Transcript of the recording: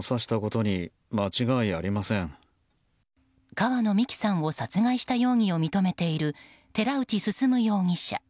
川野美樹さんを殺害した容疑を認めている寺内進容疑者。